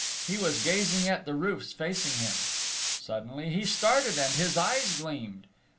He was gazing at the roofs facing him; suddenly he started, and his eyes gleamed.